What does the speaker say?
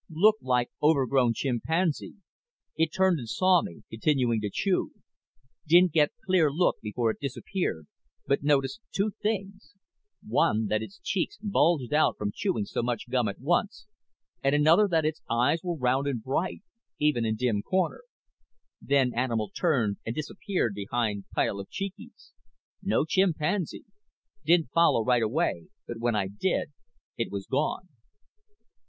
Looked like overgrown chimpanzee. It turned and saw me, continuing to chew. Didn't get clear look before it disappeared but noticed two things: one, that its cheeks bulged out from chewing so much gum at once, and other, that its eyes were round and bright, even in dim corner. Then animal turned and disappeared behind pile of Cheekys. No chimpanzee. Didn't follow right away but when I did it was gone.